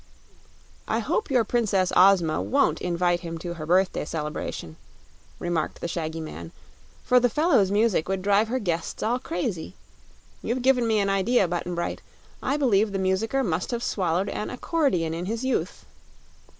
"I hope your Princess Ozma won't invite him to her birthday celebration," remarked the shaggy man; "for the fellow's music would drive her guests all crazy. You've given me an idea, Button Bright; I believe the musicker must have swallowed an accordeon in his youth."